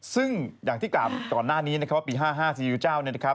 ซึ่งอย่างที่กลับก่อนหน้านี้ปี๕๕ซีซิเจ้า